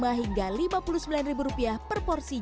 bagaimana menurut anda apa yang akan terjadi